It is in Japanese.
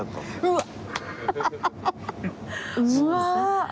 うわ！